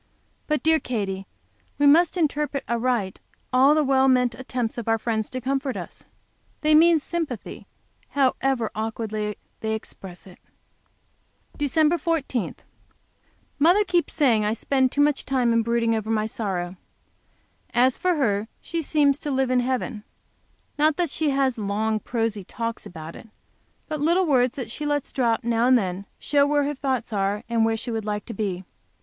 But, dear Katy, we must interpret aright all the well meant attempts of our friends to comfort us. They mean sympathy, however awkwardly they express it." And then she sighed, with a long, deep sigh, that told how it all wearied her. Dec. 14. Mother keeps saying I spend too much time in brooding over my sorrow. As for her, she seems to live in heaven. Not that she has long prosy talks about it, but little words that she lets drop now and then show where her thoughts are, and where she would like to be.